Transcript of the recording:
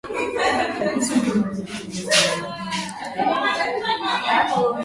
polisi wa malawi walijaribu kutawala wavuvi na feri za tanzania ziwani